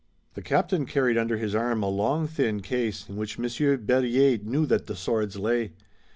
The captain carried under his arm a long thin case, in which Monsieur Berryer knew that the swords lay.